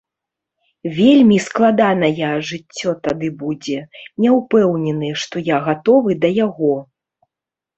Вельмі складаная жыццё тады будзе, не ўпэўнены, што я гатовы да яго.